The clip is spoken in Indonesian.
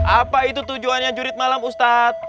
apa itu tujuannya jurid malam ustadz